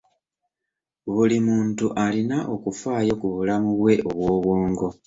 Buli muntu alina okufaayo ku bulamu bwe obw'obwongo.